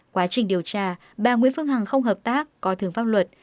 quá trình điều tra bà nguyễn phương hằng không hợp tác coi thường pháp luật